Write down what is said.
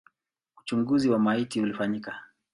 Uchunguzi wa maiti ulifanyika.